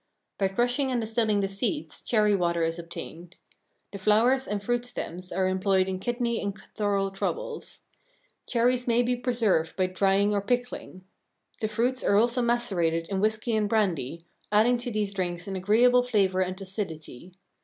By crushing and distilling the seeds cherry water is obtained. The flowers and fruit stems are employed in kidney and catarrhal troubles. Cherries may be preserved by drying or pickling. The fruits are also macerated in whisky and brandy, adding to these drinks an agreeable flavor and acidity.